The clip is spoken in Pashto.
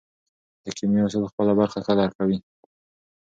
د کیمیا استاد خپله برخه ښه درک کوي.